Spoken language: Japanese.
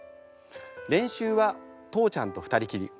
練習は父ちゃんと２人きり。